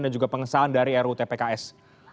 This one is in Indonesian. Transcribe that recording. dan juga pengesahan dari rutpks